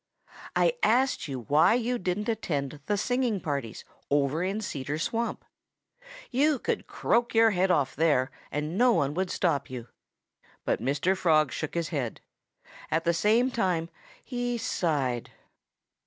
"I asked you why you didn't attend the singing parties over in Cedar Swamp. You could croak your head off there and no one would stop you." But Mr. Frog shook his head. And at the same time, he sighed.